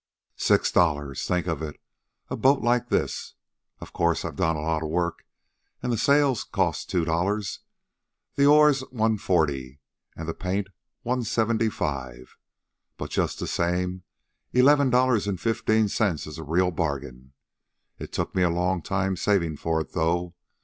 "Six dollars. Think of it! A boat like this! Of course I done a lot of work, an' the sail cost two dollars, the oars one forty, an' the paint one seventy five. But just the same eleven dollars and fifteen cents is a real bargain. It took me a long time saving for it, though.